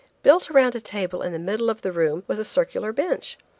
Built around a table in the middle of the room, was a circular bench.